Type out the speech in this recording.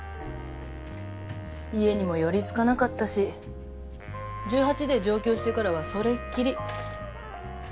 家にも寄りつかなかったし１８で上京してからはそれっきり。